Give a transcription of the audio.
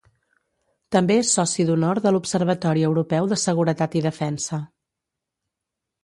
També és soci d'honor de l'Observatori Europeu de Seguretat i Defensa.